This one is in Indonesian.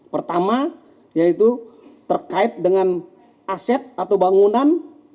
pertama yaitu terkait dengan aset atau bangunan